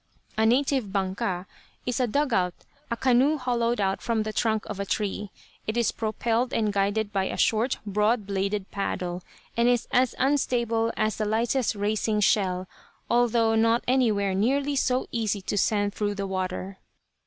A native "banca" is a "dug out," a canoe hollowed out from the trunk of a tree. It is propelled and guided by a short, broad bladed paddle, and is as unstable as the lightest racing shell, although not any where nearly so easy to send through the water.